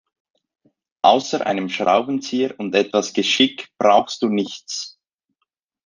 Außer einem Schraubenzieher und etwas Geschick brauchst du nichts.